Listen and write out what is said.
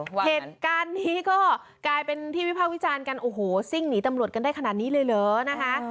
เหตุการณ์นี้ก็กลายเป็นที่วิภาควิจารณ์กันโอ้โหซิ่งหนีตำรวจกันได้ขนาดนี้เลยเหรอนะคะ